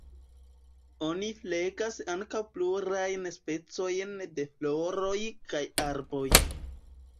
Oni flegas ankaŭ plurajn specojn de floroj kaj arboj.